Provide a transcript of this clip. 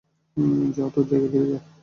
যা, তোর জায়গায় ফিরে যা।